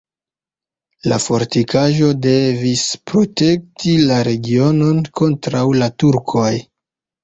La fortikaĵo devis protekti la regionon kontraŭ la turkoj.